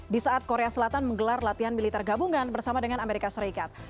di saat korea selatan menggelar latihan militer gabungan bersama dengan amerika serikat